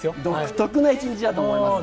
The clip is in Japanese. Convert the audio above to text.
独特な一日だと思います。